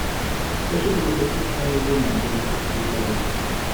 Sachez que le plastique fond aisément près d’une source de chaleur.